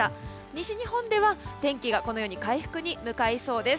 西日本では天気が回復に向かいそうです。